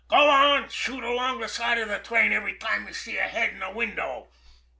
Go on, shoot along the side of the train every time you see a head in a window!"